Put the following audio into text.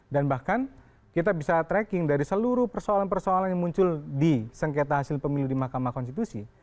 dan bahkan kita bisa tracking dari seluruh persoalan persoalan yang muncul di sengketa hasil pemilih di makam konstitusi